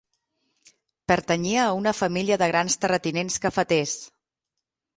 Pertanyia a una família de grans terratinents cafeters.